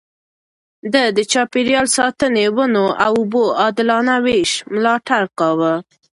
ده د چاپېريال ساتنې، ونو او اوبو د عادلانه وېش ملاتړ کاوه.